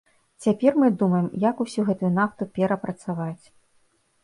Цяпер мы думаем, як усю гэтую нафту перапрацаваць.